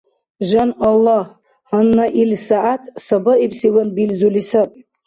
Жан Аллагь, гьанна ил сягӀят сабаибсиван билзули саби.